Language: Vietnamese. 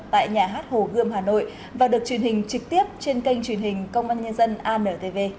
tại nhà hát hồ gươm hà nội và được truyền hình trực tiếp trên kênh truyền hình công an nhân dân antv